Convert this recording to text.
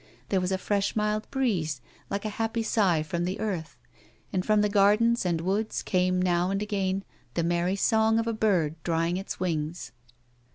There was a fresh mild breeze like a happy sigh from the earth, and from the gardens and woods came now and again the merry song of a bird drying his wings.